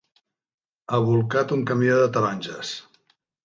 Ha bolcat un camió de taronges.